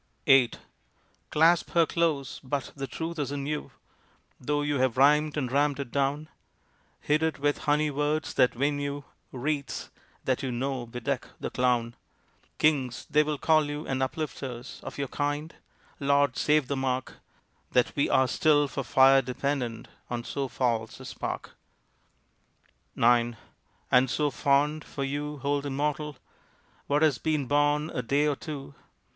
VIII Clasp her close! But the truth is in you, Tho you have rhymed and rammed it down, Hid it with honey words that win you Wreaths that you know bedeck the clown. Kings they will call you and uplifters Of your kind? Lord save the mark, That we are still for fire dependent On so false a spark. IX And so fond! for you hold immortal What has been born a day or two!